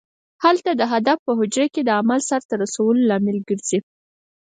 هلته د هدف په حجره کې د عمل سرته رسولو لامل ګرځي.